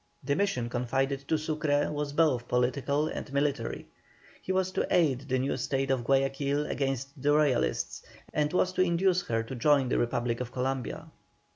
The mission confided to Sucre was both political and military. He was to aid the new State of Guayaquil against the Royalists, and was to induce her to join the Republic of Columbia.